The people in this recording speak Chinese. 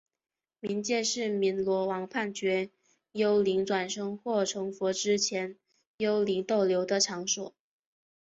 冥界是阎罗王判决幽灵转生或成佛之前幽灵逗留的场所。